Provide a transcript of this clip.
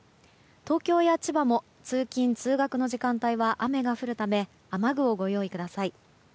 東京や千葉も通勤・通学の時間帯は雨が降るため雨具をご用意ください。